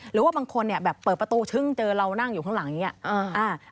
หรือว่าบางคนเปิดประตูเจอเรานั่งอยู่ข้างหลังอย่างนี้